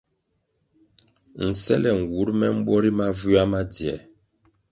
Nsele nwur me mbwo ri mavywia ma dziē.